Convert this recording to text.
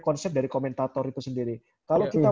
konsep dari komentator itu sendiri kalau kita